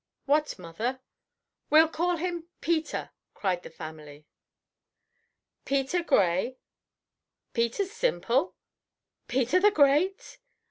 "What, mother?" "We'll call him PETER." cried the family. "Peter Gray?" "Peter Simple?" "Peter the Great?"